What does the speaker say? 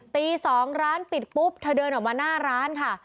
ตี๒ร้านปิดปุ๊บเธอเดินออกมาหน้าร้านค่ะ